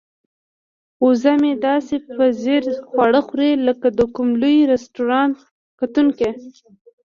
وزه مې داسې په ځیر خواړه خوري لکه د کوم لوی رستورانت کتونکی.